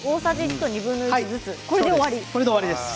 これで終わりです。